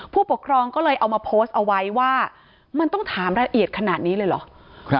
ผู้ปกครองก็เลยเอามาโพสต์เอาไว้ว่ามันต้องถามละเอียดขนาดนี้เลยเหรอ